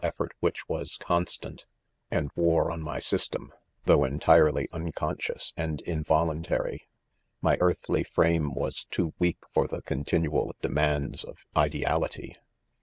effort which was constant, and wore on my system, .though entirely unconscious and involuntary. My earthly frame was 'too weak for the continual demands of " ideality."